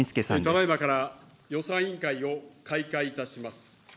ただいまから予算委員会を開会いたします。